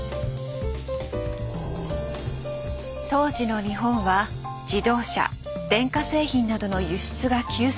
当時の日本は自動車電化製品などの輸出が急成長。